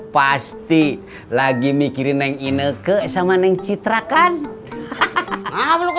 pasti lagi mikirin yang inel ke sama neng citra kan makhluk